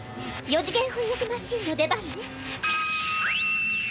４次元翻訳マシーンの出番ね。